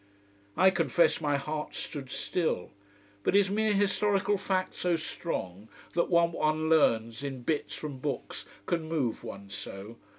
I confess my heart stood still. But is mere historical fact so strong, that what one learns in bits from books can move one so?